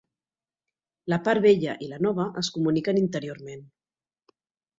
La part vella i la nova es comuniquen interiorment.